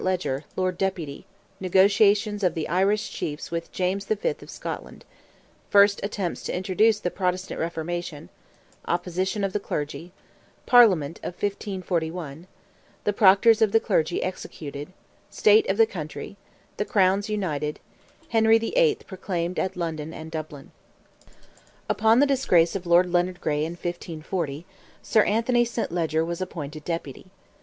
LEGER, LORD DEPUTY—NEGOTIATIONS OF THE IRISH CHIEFS WITH JAMES THE FIFTH OF SCOTLAND—FIRST ATTEMPTS TO INTRODUCE THE PROTESTANT REFORMATION—OPPOSITION OF THE CLERGY—PARLIAMENT OF 1541—THE PROCTORS OF THE CLERGY EXCLUDED—STATE OF THE COUNTRY—THE CROWNS UNITED—HENRY THE EIGHTH PROCLAIMED AT LONDON AND DUBLIN. Upon the disgrace of Lord Leonard Gray in 1540, Sir Anthony St. Leger was appointed Deputy.